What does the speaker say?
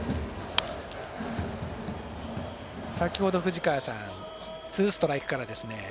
先ほど、藤川さんツーストライクからですね